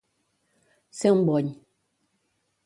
Ser un bony.